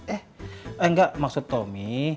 eh engga maksud tomi